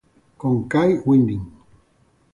Con Kai Winding